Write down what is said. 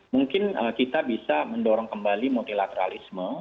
mungkin kita bisa mendorong kembali multilateralisme